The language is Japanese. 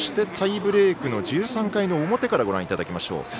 タイブレークの１３回の表からご覧いただきましょう。